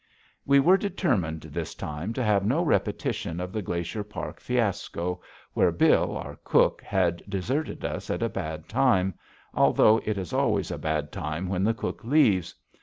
We were determined, this time, to have no repetition of the Glacier Park fiasco, where Bill, our cook, had deserted us at a bad time although it is always a bad time when the cook leaves.